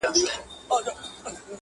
لا یې پخوا دي ورځي سختي نوري-